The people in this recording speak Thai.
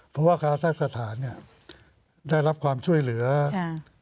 เพราะว่าการสร้างสถานเนี่ยได้รับความช่วยเหลือค่ะ